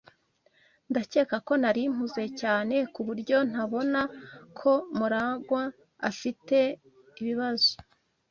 Ndakeka ko nari mpuze cyane kuburyo ntabona ko MuragwA afite ibibazo.